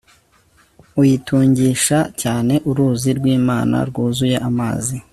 Uyitungisha cyane uruzi rwImana rwuzuye amazi